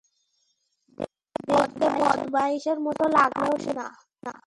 দেখতে বদমাইশ এর মতো লাগলেও সেটা আমি না।